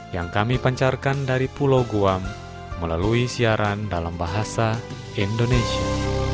yang kami pancarkan dari pulau guam melalui siaran dalam bahasa indonesia